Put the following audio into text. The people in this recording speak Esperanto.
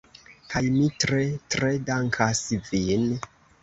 Kaj mi tre, tre dankas vin.